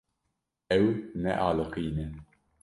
Ew nealiqîne.